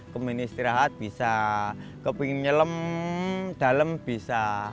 kemudian istirahat bisa ke pingin nyelam dalem bisa